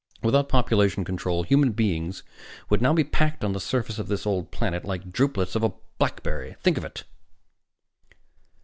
"Without population control, human beings would now be packed on this surface of this old planet like drupelets on a blackberry! Think of it!"